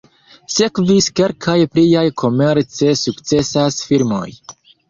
Sekvis kelkaj pliaj komerce sukcesaj filmoj.